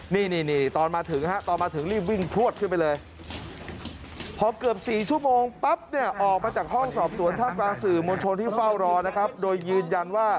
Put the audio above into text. นี่ตอนมาถึงตอนมาถึงรีบวิ่งพลวดขึ้นไปเลย